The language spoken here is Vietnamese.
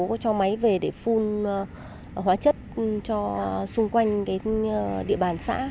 chúng tôi đã có cho máy về để phun hóa chất cho xung quanh địa bàn xã